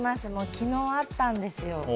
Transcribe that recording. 昨日、あったんですよ。